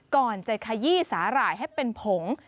ก่อนจะขยี้สาหร่ายให้เป็นผง